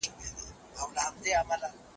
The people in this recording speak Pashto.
نړیواله همکاري د بشري حقونو ستونزي حلولای سي.